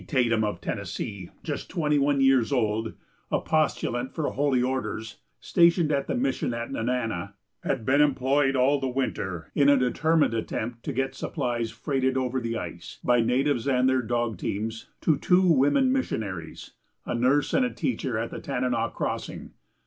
Tatum of Tennessee, just twenty one years old, a postulant for holy orders, stationed at the mission at Nenana, had been employed all the winter in a determined attempt to get supplies freighted over the ice, by natives and their dog teams, to two women missionaries, a nurse and a teacher, at the Tanana Crossing.